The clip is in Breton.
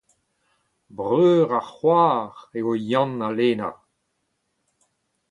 Breur ha c’hoar eo Yann ha Lena.